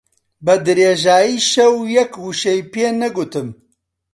بە درێژایی شەو یەک وشەی پێ نەگوتم.